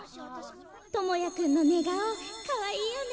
智也くんのねがおかわいいよね。